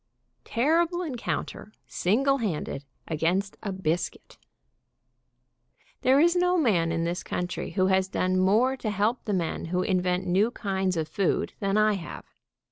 TERRIBLE ENCOUNTER SINGLE HANDED AGAINST A BISCUIT. There is no man in this country who has done more to help the men who invent new kinds of food than I have.